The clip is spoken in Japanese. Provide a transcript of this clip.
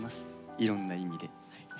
いろんな意味で。